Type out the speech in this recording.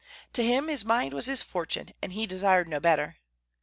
To him his mind was his fortune, and he desired no better.